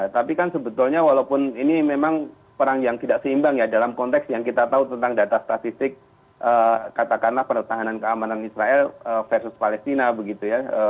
tapi kan sebetulnya walaupun ini memang perang yang tidak seimbang ya dalam konteks yang kita tahu tentang data statistik katakanlah pertahanan keamanan israel versus palestina begitu ya